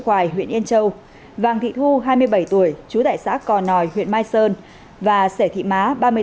khoài huyện yên châu vàng thị thu hai mươi bảy tuổi chú tại xã cò nòi huyện mai sơn và sẻ thị má